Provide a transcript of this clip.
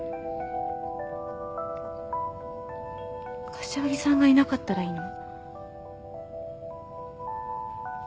柏木さんがいなかったらいいの？